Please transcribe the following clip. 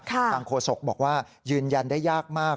ครับทางโคสกบอกว่ายืนยันได้ยากมาก